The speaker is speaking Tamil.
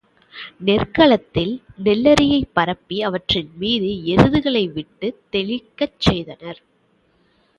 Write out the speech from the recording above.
நெற்களத்தில் நெல்லரியைப் பரப்பி, அவற்றின் மீது எருதுகளை விட்டுத் தெழிக்கச் செய்தனர்.